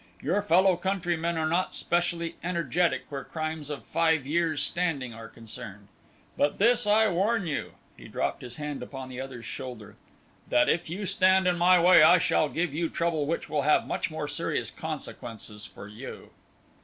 Your fellow countrymen are not specially energetic where crimes of five years' standing are concerned. But this I warn you," he dropped his hand upon the other's shoulder, "that if you stand in my way I shall give you trouble which will have much more serious consequences for you."